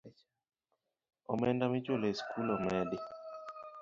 Omenda michulo e sikul omedi